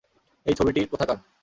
এই ছবিটির কোথাকার?